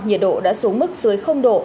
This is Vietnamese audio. nhiệt độ đã xuống mức dưới độ